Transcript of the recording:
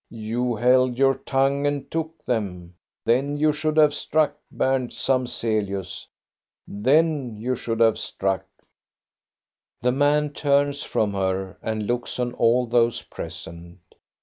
You held your tongue and took them; then you should have struck, Berndt Samzelius, — then you should have struck." The man turns from her and looks on all those present.